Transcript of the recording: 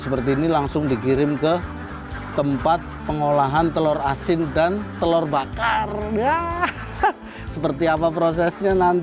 seperti ini langsung dikirim ke tempat pengolahan telur asin dan telur bakar seperti apa prosesnya nanti